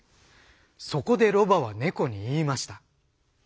そこでロバは猫に言いました。